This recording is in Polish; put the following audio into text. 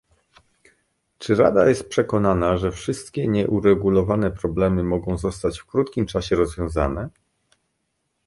Czy Rada jest przekonana, że wszystkie nieuregulowane problemy mogą zostać w krótkim czasie rozwiązane?